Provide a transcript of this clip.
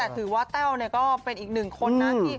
แต่ถือว่าแท้วเนี่ยก็เป็นอีกหนึ่งคนน่ะ